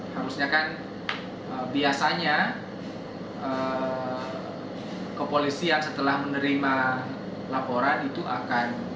harusnya kan biasanya kepolisian setelah menerima laporan itu akan